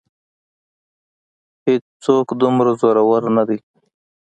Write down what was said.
هېڅ څوک دومره زورور نه دی.